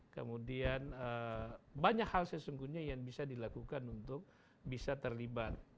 kemudian banyak hal sesungguhnya yang bisa dilakukan untuk bisa terlibat